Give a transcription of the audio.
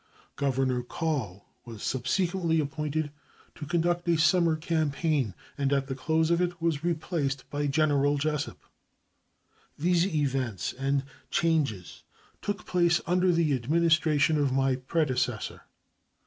Governor Call was subsequently appointed to conduct a summer campaign, and at the close of it was replaced by General Jesup. These events and changes took place under the Administration of my predecessor.